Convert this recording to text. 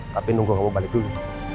tapi nunggu kamu balik dulu